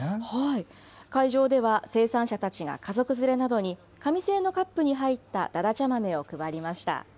会場では生産者たちが家族連れなどに紙製のカップに入っただだちゃ豆を配りました。